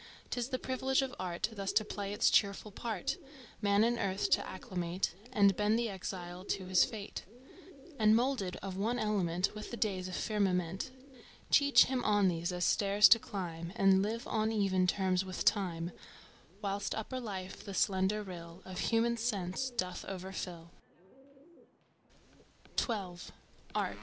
'Tis the privilege of Art Thus to play its cheerful part, Man in Earth to acclimate And bend the exile to his fate, And, moulded of one element With the days and firmament, Teach him on these as stairs to climb And live on even terms with Time; Whilst upper life the slender rill Of human sense doth overfill.